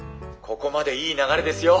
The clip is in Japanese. ここまでいい流れですよ。